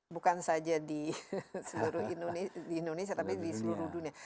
bukan saja di seluruh indonesia tapi di seluruh dunia